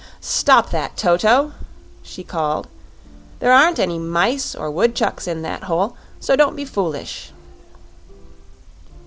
"Stop that, Toto!" she called. "There aren't any mice or woodchucks in that hole, so don't be foolish."